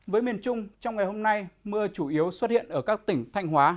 với miền trung trong ngày hôm nay mưa chủ yếu xuất hiện ở các tỉnh thanh hóa